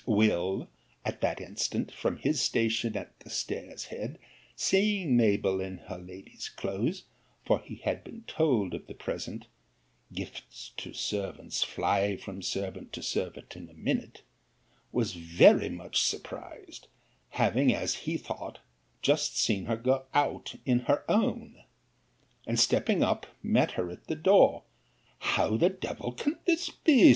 'Will. at that instant, from his station at the stairs head, seeing Mabell in her lady's clothes; for he had been told of the present, [gifts to servants fly from servant to servant in a minute,] was very much surprised, having, as he thought, just seen her go out in her own; and stepping up, met her at the door. How the devil can this be?